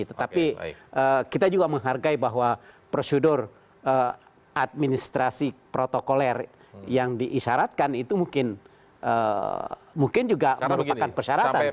tetapi kita juga menghargai bahwa prosedur administrasi protokoler yang diisyaratkan itu mungkin juga merupakan persyaratan